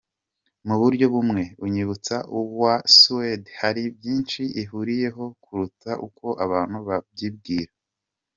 Mu buryo bumwe unyibutsa uwa Suède, hari byinshi ihuriyeho kuruta uko abantu babyibwira.